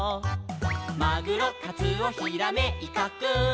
「マグロカツオヒラメイカくん」